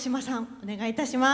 お願いいたします。